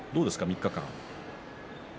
３日間。